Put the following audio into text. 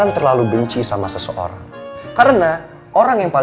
mengisi ruang hati